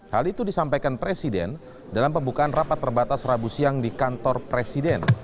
hal itu disampaikan presiden dalam pembukaan rapat terbatas rabu siang di kantor presiden